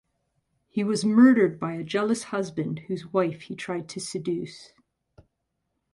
He was murdered by a jealous husband whose wife he tried to seduce.